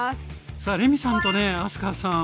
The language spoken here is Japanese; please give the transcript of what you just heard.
さあレミさんとね明日香さん